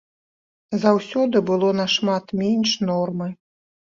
Заўсёды было нашмат менш нормы.